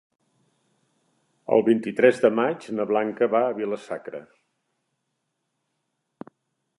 El vint-i-tres de maig na Blanca va a Vila-sacra.